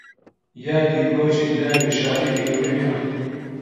یادی کۆچی داوی شاعیری گەورەی کورد